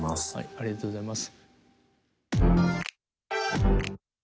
ありがとうございます。